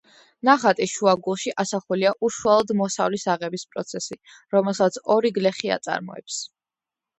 ნახატის შუაგულში ასახულია უშუალოდ მოსავლის აღების პროცესი, რომელსაც ორი გლეხი აწარმოებს.